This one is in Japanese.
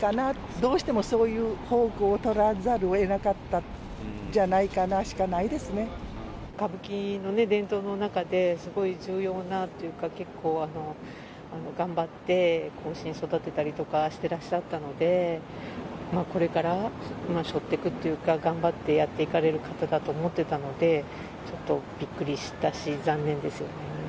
どうしてもそういう方向を取らざるをえなかったんじゃないかなし歌舞伎の伝統の中で、すごい重要なっていうか、結構、頑張って後進育てたりとかしてらっしゃったので、これからを背負ってくっていうか、頑張ってやっていかれる方だと思ってたので、ちょっとびっくりしたし、残念ですよね。